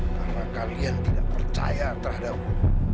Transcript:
karena kalian tidak percaya terhadapku